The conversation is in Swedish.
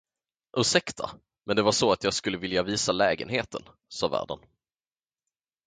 Ursäkta, men det var så att jag skulle vilja visa lägenheten, sade värden.